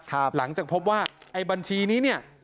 หลังจากพบว่าไอ้บัญชีนี้เนี่ย